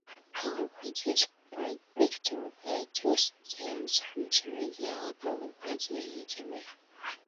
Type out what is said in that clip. However, this victory failed to stem significantly the Ottoman advance in Asia Minor.